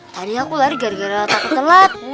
tadi aku lari gara gara takut telat